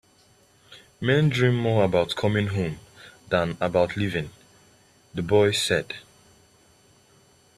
"Men dream more about coming home than about leaving," the boy said.